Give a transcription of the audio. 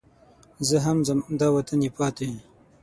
زه هم ځم دا وطن یې پاتې.